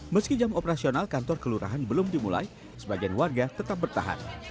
meski jam operasional kantor kelurahan belum dimulai sebagian warga tetap bertahan